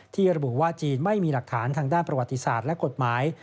ระบุว่าจีนไม่มีหลักฐานทางด้านประวัติศาสตร์และกฎหมาย